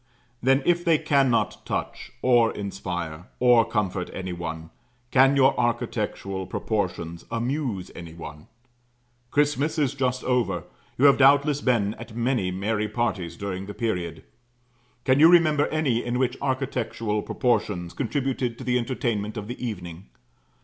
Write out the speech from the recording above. Then, if they cannot touch, or inspire, or comfort any one, can your architectural proportions amuse any one? Christmas is just over; you have doubtless been at many merry parties during the period. Can you remember any in which architectural proportions contributed to the entertainment of the evening?